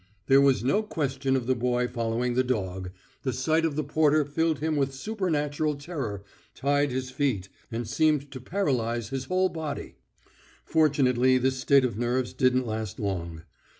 There was no question of the boy following the dog. The sight of the porter filled him with supernatural terror, tied his feet, and seemed to paralyse his whole body. Fortunately, this state of nerves didn't last long.